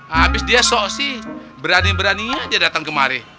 habis dia soh si berani beraninya datang kemari